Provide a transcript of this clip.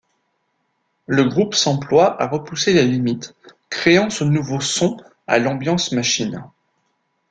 Le groupe s'emploie à repousser les limites, créant ce nouveau son, à l'ambiance machine.